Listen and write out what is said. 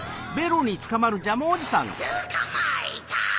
・つかまえた！